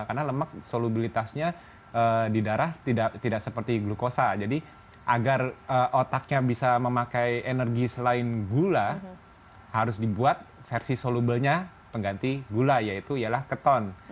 karena lemak solubilitasnya di darah tidak seperti glukosa jadi agar otaknya bisa memakai energi selain gula harus dibuat versi soluble nya pengganti gula yaitu yalah keton